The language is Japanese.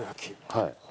はい。